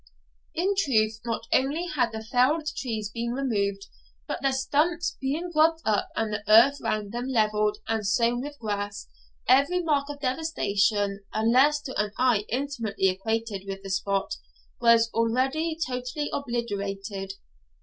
In truth, not only had the felled trees been removed, but, their stumps being grubbed up and the earth round them levelled and sown with grass, every mark of devastation, unless to an eye intimately acquainted with the spot, was already totally obliterated.